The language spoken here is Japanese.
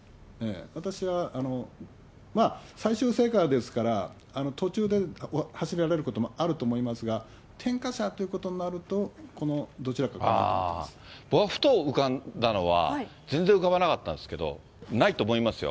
私はまあ、最終聖火ですから、途中で走られることもあると思いますが、点火者ということになると、ふと浮かんだのは、全然浮かばなかったんですけど、ないと思いますよ。